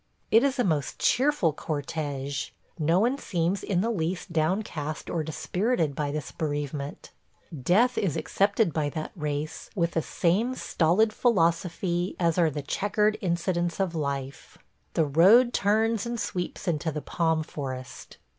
It is a most cheerful cortége. No one seems in the least downcast or dispirited by this bereavement – death is accepted by that race with the same stolid philosophy as are the checkered incidents of life. ... The road turns and sweeps into the palm forest.